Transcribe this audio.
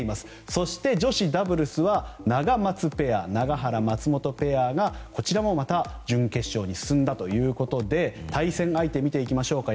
そして女子ダブルスはナガマツペア、永原・松本ペアがこちらもまた準決勝に進んだということで対戦相手を見ていきましょうか。